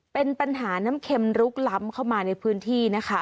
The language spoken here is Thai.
เป็นปัญหาน้ำเข็มลุกล้ำเข้ามาในพื้นที่นะคะ